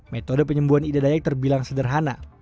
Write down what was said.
metode penyembuhan ida dayak terbilang sederhana